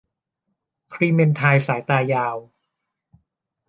คลีเมนไทน์สายตายาว